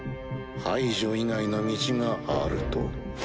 排除以外の道があると？